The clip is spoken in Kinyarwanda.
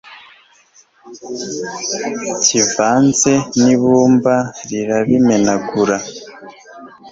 kivanze n ibumba rirabimenagura